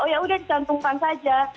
oh ya sudah dicantumkan saja